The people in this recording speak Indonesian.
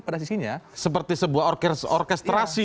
pada sisinya seperti sebuah orkestrasi